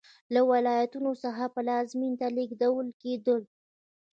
له ولایتونو څخه پلازمېنې ته لېږدول کېدل.